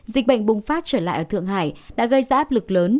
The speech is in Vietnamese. dịch bệnh bùng phát trở lại ở thượng hải đã gây ra áp lực lớn